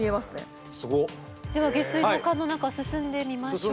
では下水道管の中進んでみましょうか。